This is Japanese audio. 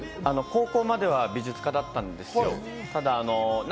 高校までは美術科だったんですよ。